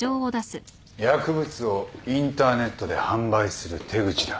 薬物をインターネットで販売する手口だ。